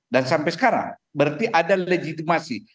dan sampai sekarang berarti ada legitimasi